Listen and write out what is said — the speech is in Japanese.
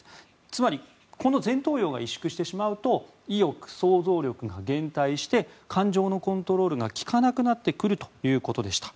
つまり、この前頭葉が委縮してしまうと意欲・想像力が減退して感情のコントロールが効かなくなってくるということでした。